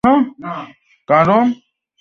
এটা কন্ঠ কোকিলা করার number one ঔষধ।